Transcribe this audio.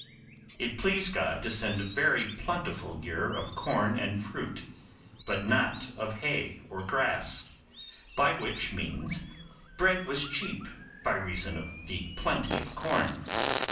It pleased God to send a very plentiful year of corn and fruit, but not of hay or grass—by which means bread was cheap, by reason of the plenty of corn.